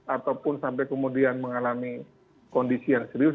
ataupun sampai kemudian mengalami kondisi yang serius